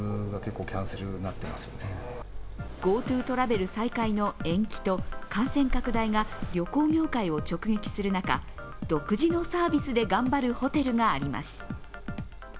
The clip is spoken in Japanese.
ＧｏＴｏトラベル再開の延期と、感染拡大が旅行業界を直撃する中、独自のサービスで頑張るホテルがあります。